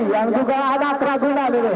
yang juga anak raguna